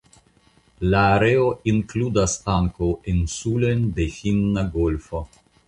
La areo inkludas ankaŭ insulojn de Finna golfo.